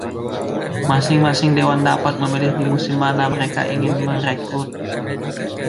Masing – masing dewan dapat memilih di musim mana mereka ingin merekrut.